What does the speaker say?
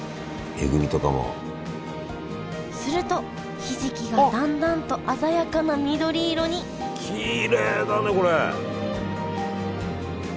するとひじきがだんだんと鮮やかな緑色にきれいだねこれ。